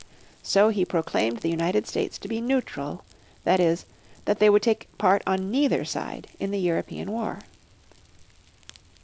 So he proclaimed the United States to be neutral, that is, that they would take part on neither side in the European War.